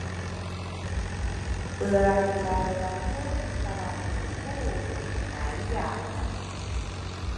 Peaelaela ku tarabulrubulru nayyane